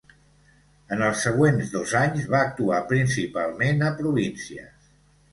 En els següents dos anys va actuar principalment a províncies.